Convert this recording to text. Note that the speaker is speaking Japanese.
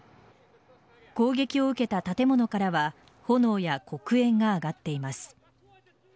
攻撃を受けた建物からは炎や黒煙が上がっています。